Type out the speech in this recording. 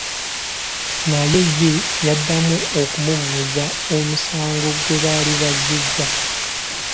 Naye ye yaddamu okumubuuza omusango gwe baali bazzizza.